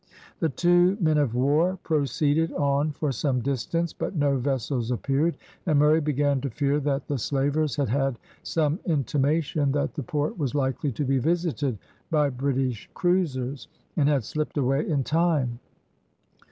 The two men of war proceeded on for some distance, but no vessels appeared, and Murray began to fear that the slavers had had some intimation that the port was likely to be visited by British cruisers, and had slipped away in time.